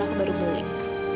aku baru beling